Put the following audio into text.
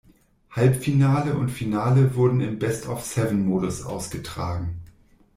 Halbfinale und Finale wurden im Best-of-Seven-Modus ausgetragen.